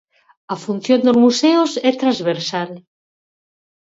A función dos museos é transversal.